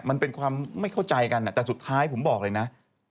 มันเป็นความไม่เข้าใจกันแต่สุดท้ายผมบอกเลยนะ